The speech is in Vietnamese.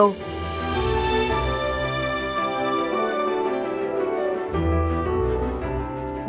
bà hà thị vinh